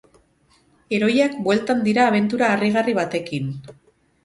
Heroiak bueltan dira abentura harrigarri batekin.